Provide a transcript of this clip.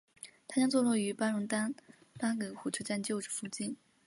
它将坐落于丹戎巴葛火车站旧址附近。